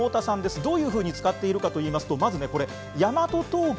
どういうふうに使っているかといいますと大和当帰。